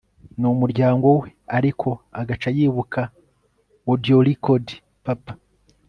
numuryango we……ariko agaca yibuka audiorecord Papa